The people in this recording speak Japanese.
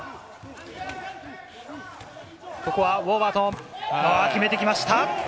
ここはウォーバートン、決めてきました。